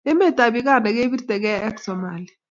Emet ab Uganda kepirte kee ak somalia